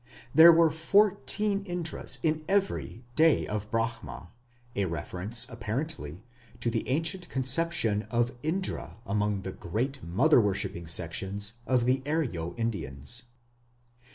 There were fourteen Indras in every "day of Brahma", a reference apparently to the ancient conception of Indra among the Great Mother worshipping sections of the Aryo Indians.